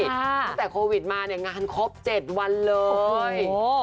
ตั้งแต่โควิดมาเนี่ยงานครบ๗วันเลย